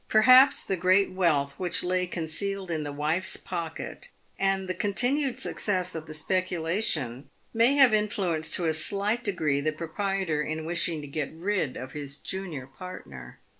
Perhaps the great wealth which lay concealed in the wife's pocket, and the continued success of the speculation, may have influenced to a slight degree the proprietor in wishing to get rid of his junior partner.